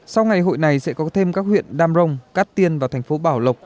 sau ngày hội này sẽ có thêm các huyện đam rông cát tiên và thành phố bảo lộc